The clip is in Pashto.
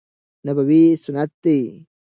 نبوي سنت دي.